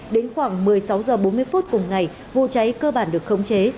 đến khoảng một mươi sáu h bốn mươi phút cùng ngày vụ cháy cơ bản được khống chế